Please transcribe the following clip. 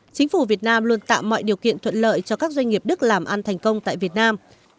chính phủ việt nam luôn tạo mọi điều kiện thuận lợi cho các doanh nghiệp đức làm ăn thành công tại việt nam